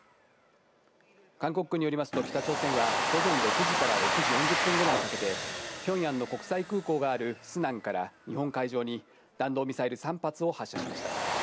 韓国軍によりますと北朝鮮は午前６時から６時４０分頃にかけて、ピョンヤンの国際空港があるスナンから日本海上に弾道ミサイル３発を発射しました。